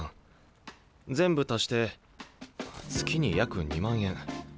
全部足して月に約２万円。